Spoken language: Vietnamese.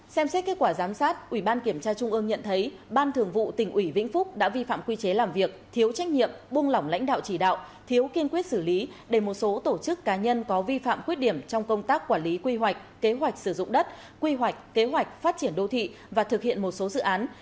xem xét kết quả giám sát ủy ban kiểm tra trung ương nhận thấy ban thường vụ tỉnh ủy vĩnh phúc đã vi phạm quy chế làm việc thiếu trách nhiệm buông lỏng lãnh đạo chỉ đạo thiếu kiên quyết xử lý để một số tổ chức cá nhân có vi phạm khuyết điểm trong công tác quản lý quy hoạch kế hoạch sử dụng đất quy hoạch kế hoạch phát triển đô thị và thực hiện một số dự án